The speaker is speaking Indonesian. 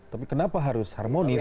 tapi kenapa harus harmonis